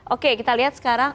oke kita lihat sekarang